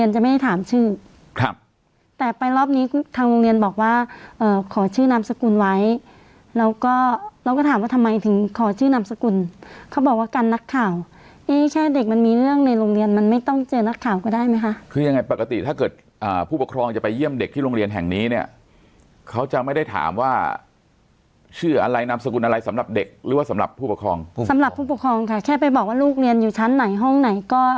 ชื่อนามสกุลเขาบอกว่ากันนักข่าวนี่แค่เด็กมันมีเรื่องในโรงเรียนมันไม่ต้องเจอนักข่าวก็ได้ไหมค่ะคือยังไงปกติถ้าเกิดอ่าผู้ปกครองจะไปเยี่ยมเด็กที่โรงเรียนแห่งนี้เนี้ยเขาจะไม่ได้ถามว่าชื่ออะไรนามสกุลอะไรสำหรับเด็กหรือว่าสำหรับผู้ปกครองสำหรับผู้ปกครองค่ะแค่ไปบอกว่าลูกเรียนอยู่ชั้